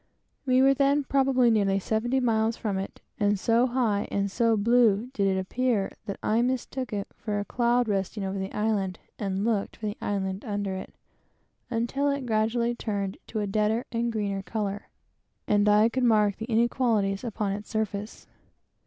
We were then probably nearly seventy miles from it; and so high and so blue did it appear, that I mistook it for a cloud, resting over the island, and looked for the island under it, until it gradually turned to a deader and greener color, and I could mark the inequalities upon its surface.